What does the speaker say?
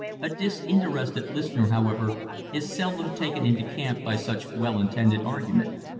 A disinterested listener, however, is seldom taken into camp by such well intended argument.